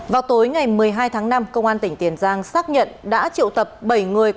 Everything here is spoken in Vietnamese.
vào tối ngày một mươi hai tháng năm công an tỉnh tiền giang xác nhận đã triệu tập bảy người